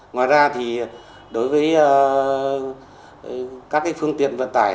ngoài ra đối với các phương tiện vận tải